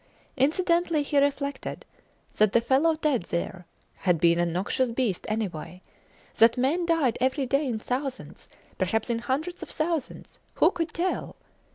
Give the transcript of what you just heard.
Incidentally he reflected that the fellow dead there had been a noxious beast anyway; that men died every day in thousands; perhaps in hundreds of thousands who could tell?